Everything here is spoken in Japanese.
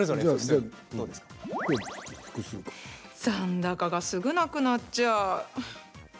残高がすぐなくなっちゃう。